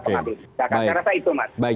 pengabdikan saya rasa itu mas